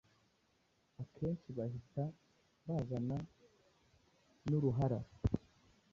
akenshi bahita bazana n’uruhara